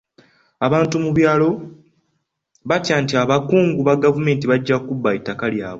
Abantu mu byalo batya nti abakungu ba gavumenti bajja kubba ettaka lyabwe.